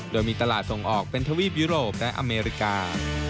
โดยมีตลาดส่งออกเป็นทวีปยุโรปและอเมริกา